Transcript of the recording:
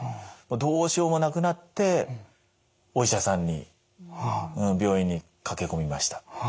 どうしようもなくなってお医者さんに病院に駆け込みました。